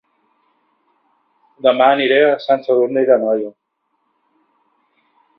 Dema aniré a Sant Sadurní d'Anoia